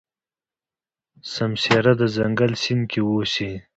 سمسيره د ځنګل سیند کې اوسي.